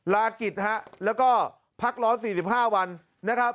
ลากิจฮะแล้วก็พักร้อน๔๕วันนะครับ